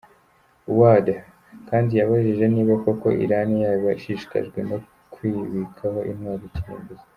Ward kandi yibajije niba koko Iran yaba ishishikajwe no kwibikaho intwaro kirimbuzi.